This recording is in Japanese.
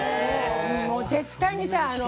もう絶対にさあの。